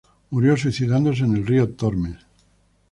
Murió suicidándose en el río Tormes.